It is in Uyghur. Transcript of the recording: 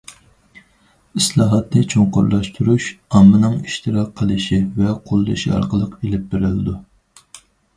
ئىسلاھاتنى چوڭقۇرلاشتۇرۇش ئاممىنىڭ ئىشتىراك قىلىشى ۋە قوللىشى ئارقىلىق ئېلىپ بېرىلىدۇ.